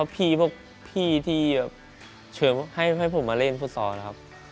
พี่ที่เชิญให้ผมมาเล่นภูตศครับ